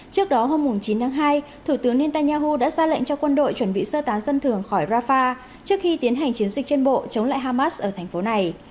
trước đó hôm chín tháng hai thủ tướng netanyahu đã ra lệnh cho quân đội chuẩn bị sơ tán dân thường khỏi rafah trước khi tiến hành chiến dịch trên bộ chống lại hamas ở thành phố này